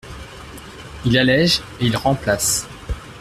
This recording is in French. Il allège et il remplace.